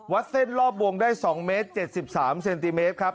เส้นรอบวงได้๒เมตร๗๓เซนติเมตรครับ